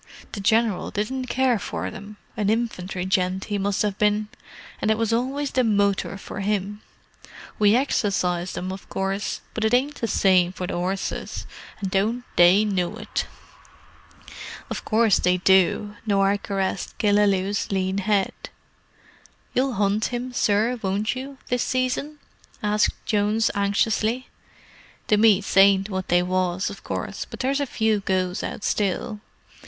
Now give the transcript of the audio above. "The General didn't care for them—an infantry gent he must have been—and it was always the motor for 'im. We exercised 'em, of course, but it ain't the same to the 'orses, and don't they know it!" "Of course they do." Norah caressed Killaloe's lean head. "You'll hunt him, sir, won't you, this season?" asked Jones anxiously. "The meets ain't what they was, of course, but there's a few goes out still.